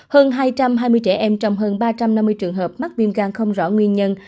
hơn hai trăm hai mươi trẻ em trong hơn ba trăm năm mươi trường hợp mắc viêm gan không rõ nguyên nhân